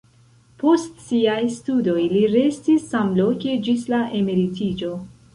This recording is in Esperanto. Post siaj studoj li restis samloke ĝis la emeritiĝo.